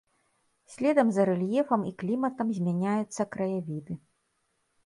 Следам за рэльефам і кліматам змяняюцца краявіды.